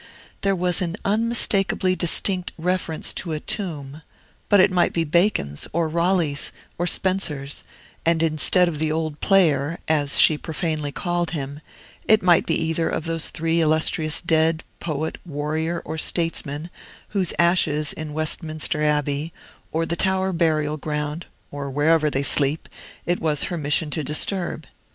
There was an unmistakably distinct reference to a tomb, but it might be Bacon's, or Raleigh's, or Spenser's; and instead of the "Old Player," as she profanely called him, it might be either of those three illustrious dead, poet, warrior, or statesman, whose ashes, in Westminster Abbey, or the Tower burial ground, or wherever they sleep, it was her mission to disturb.